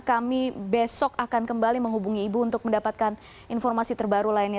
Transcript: kami besok akan kembali menghubungi ibu untuk mendapatkan informasi terbaru lainnya